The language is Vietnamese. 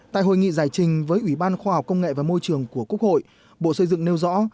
tại hội nghị giải trình với ủy ban khoa học công nghệ và môi trường của quốc hội bộ xây dựng nêu rõ